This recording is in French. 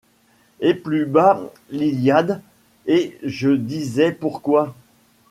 Et plus bas l'Iliade ; et je disais pourquoi